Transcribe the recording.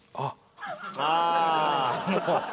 ああ。